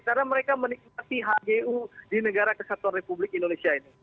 karena mereka menikmati hgu di negara kesatuan republik indonesia ini